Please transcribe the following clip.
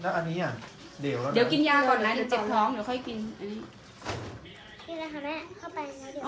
นี่แหละค่ะแม่เข้าไปแล้วเดี๋ยว